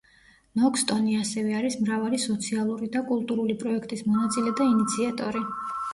ნოქსტონი ასევე არის მრავალი სოციალური და კულტურული პროექტის მონაწილე და ინიციატორი.